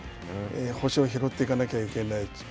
星を拾っていかなきゃいけない。